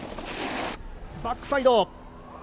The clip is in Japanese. バックサイド。